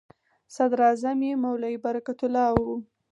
صدراعظم یې مولوي برکت الله و.